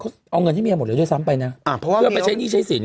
เขาเอาเงินให้เมียหมดเลยด้วยซ้ำไปนะอ่าเพราะว่าเพื่อไปใช้หนี้ใช้สิน